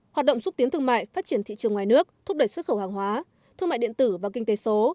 hoạt động xúc tiến thương mại phát triển thị trường ngoài nước thúc đẩy xuất khẩu hàng hóa thương mại điện tử và kinh tế số